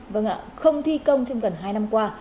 vâng ạ không thi công trong gần hai năm qua